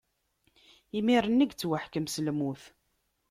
Imir-nni i yettwaḥkem s lmut.